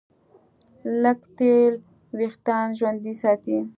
لږ تېل وېښتيان ژوندي ساتي.